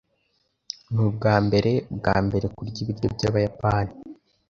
Nubwambere bwambere kurya ibiryo byabayapani?